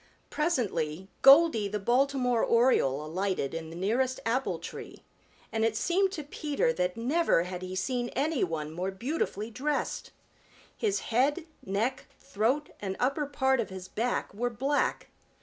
Presently Goldy the Baltimore Oriole alighted in the nearest apple tree, and it seemed to Peter that never had he seen any one more beautifully dressed. His head, neck, throat and upper part of his back were black.